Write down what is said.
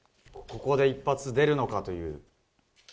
ここで一発出るのかという。